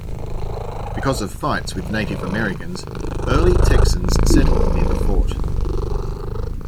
Because of fights with Native Americans, early Texans settled near the fort.